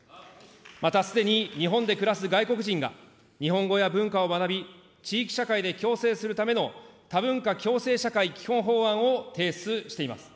また、すでに日本で暮らす外国人が日本語や文化を学び、地域社会で共生するための多文化共生社会基本法案を提出しています。